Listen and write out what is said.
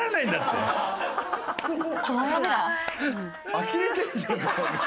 あきれてるじゃんもう。